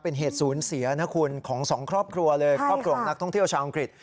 เป็นเหตุศูนย์เสียนะคุณของสองครอบครัวเลยครอบครัวของนักท่องเที่ยวชาวอังกฤษ